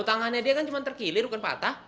tangannya dia kan cuma terkilir bukan patah